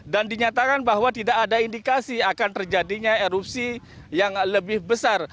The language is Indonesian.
dan dinyatakan bahwa tidak ada indikasi akan terjadinya erupsi yang lebih besar